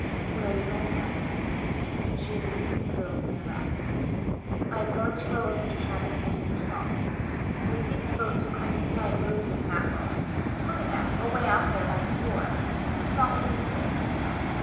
"Where are you going, Magdalen?" She had loosened the rope from the wreck. "I am going to row over to Chapel Point for salt. They think the boats will come in tonight loaded with mackerel look at them away out there by the score and salt will be needed."